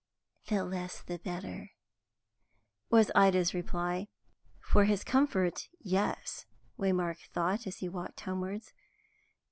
"The less the better," was Ida's reply. For his comfort, yes, Waymark thought, as he walked homewards.